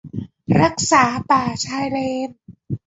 รักษาป่าชายเลน